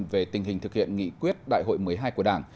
về tình hình thực hiện nghị quyết đại hội một mươi hai của đảng